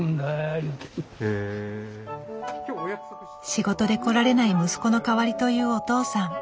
仕事で来られない息子の代わりというお父さん。